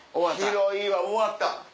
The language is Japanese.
広いわ終わった。